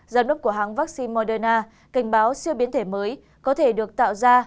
giám đốc của hãng vaccine moderna cảnh báo siêu biến thể mới có thể được tạo ra